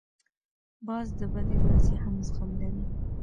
باز د بدې ورځې هم زغم لري